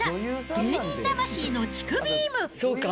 芸人魂のチクビーム。